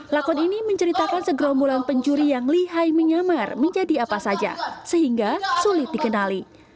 lakon ini menceritakan segerombolan pencuri yang lihai menyamar menjadi apa saja sehingga sulit dikenali